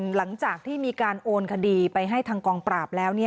หลังจากที่มีการโอนคดีไปให้ทางกองปราบแล้ว